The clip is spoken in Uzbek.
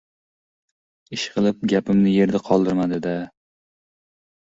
— Ishqilib, gapimni yerda qoldirmadi-da.